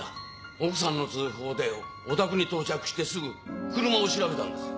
奥さんの通報でお宅に到着してすぐ車を調べたんですよ。